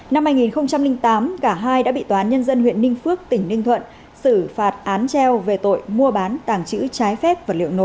năm hai nghìn tám cả hai đã bị toán nhân dân huyện ninh phước tỉnh ninh thuận xử phạt án treo về tội mua bán tảng chữ trái phép vật liệu nổ